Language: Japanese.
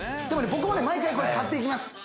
でも僕はね、毎回買っていきます。